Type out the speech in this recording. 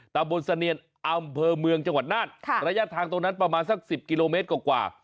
ตะบนเสนียนอำเภอเมืองจังหวัดน่านระยะทางตรงนั้นประมาณสัก๑๐กิโลเมตรกว่า